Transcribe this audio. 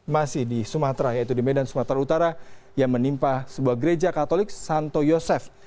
masih di sumatera yaitu di medan sumatera utara yang menimpa sebuah gereja katolik santo yosef